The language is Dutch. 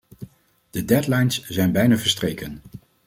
De deadlines zijn bijna verstreken.